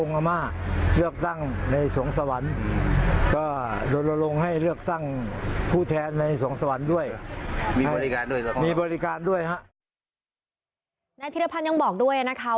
นายธิรพันธ์ยังบอกด้วยนะคะ